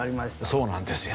そうなんですよ。